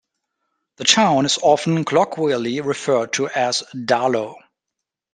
The town is often colloquially referred to as 'Darlo'.